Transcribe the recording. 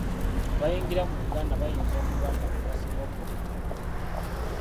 Abayingira mu Uganda bayinza okuba nga be basinga okuleeta endwadde.